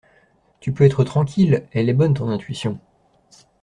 tu peux être tranquille. Elle est bonne, ton intuition.